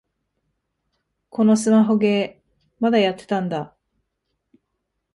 このスマホゲー、まだやってたんだ